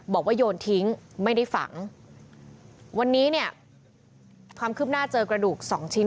โยนทิ้งไม่ได้ฝังวันนี้เนี่ยความคืบหน้าเจอกระดูกสองชิ้น